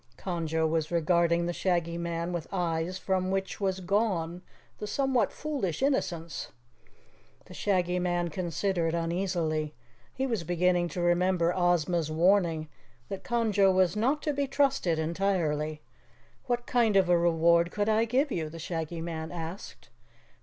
Conjo was regarding the Shaggy Man with eyes from which was gone the somewhat foolish innocence. The Shaggy Man considered uneasily. He was beginning to remember Ozma's warning that Conjo was not to be trusted entirely. "What kind of a reward could I give you?" the Shaggy Man asked.